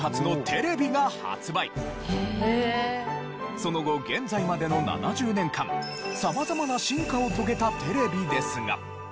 その後現在までの７０年間様々な進化を遂げたテレビですが。